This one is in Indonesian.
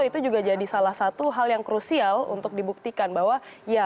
itu juga jadi salah satu hal yang krusial untuk dibuktikan bahwa ya